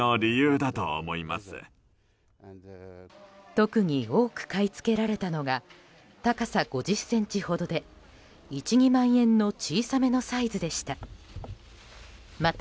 特に多く買い付けられたのが高さ５０ｃｍほどで１２万円の小さめのサイズでした。